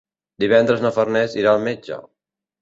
Divendres na Farners irà al metge.